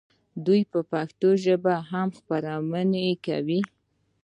آیا دوی په پښتو هم خپرونې نه کوي؟